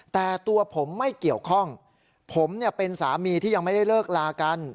แต่ตัวผมไม่เกี่ยวข้องผมเนี่ยเป็นสามีที่ยังไม่ได้เลิกลากัน